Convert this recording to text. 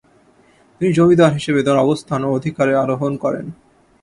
তিনি জমিদার হিসাবে তার অবস্থান ও অধিকারে আরোহণ করেন।